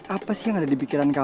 apa sih yang ada di pikirannya